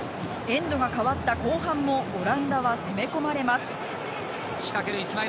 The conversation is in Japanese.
エンドが変わった後半もオランダは攻め込まれます。